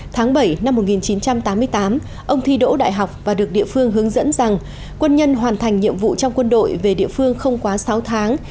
tháng bảy năm một nghìn chín trăm tám mươi tám ông thi đỗ đại học và được địa phương hướng dẫn rằng quân nhân hoàn thành nhiệm vụ trong quân đội về địa phương không quá sáu tháng